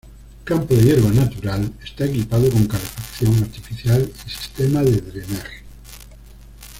Campo de hierba natural, está equipado con calefacción artificial y sistema de drenaje.